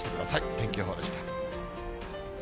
天気予報でした。